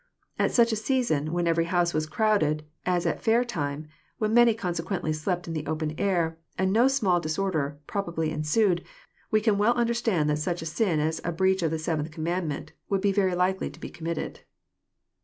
At such a season, when every house was crowded, as at a fair time, when many consequently slept in the open air, and no small disorder probably ensued, we can well understand that such a sin as a breach of the seventh commandment would be very likely to be committed.